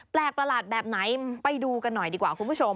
ประหลาดแบบไหนไปดูกันหน่อยดีกว่าคุณผู้ชม